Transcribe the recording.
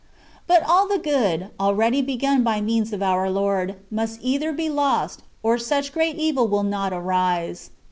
But all the good, already begun by means of our Lord, must either be lost, or such great evil will not arise.